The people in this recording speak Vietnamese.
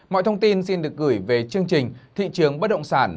mọi thông tin xin được gửi về chương trình thị trường bất động sản